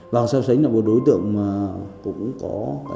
vàng seo sánh là một đối tượng cũng có